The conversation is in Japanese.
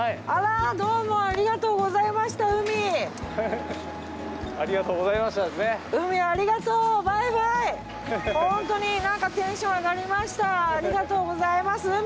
ありがとうございます。